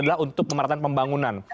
adalah untuk pemerintahan pembangunan